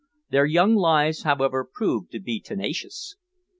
Their young lives, however, proved to be tenacious.